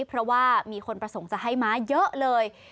เพราะว่ามีคนประสงค์จะให้ม้าเยอะเลย